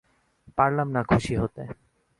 পারলাম না খুশি হতে।